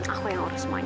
aku yang urus semuanya